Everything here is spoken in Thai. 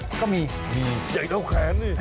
ก็มีมีใหญ่เท่าแขนนี่